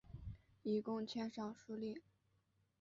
以功迁尚书令。